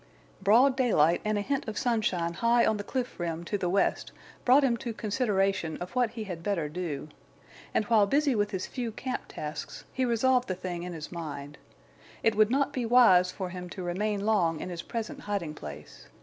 Broad daylight and a hint of sunshine high on the cliff rim to the west brought him to consideration of what he had better do. And while busy with his few camp tasks he revolved the thing in his mind. It would not be wise for him to remain long in his present hiding place.